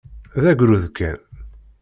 D agrud kan.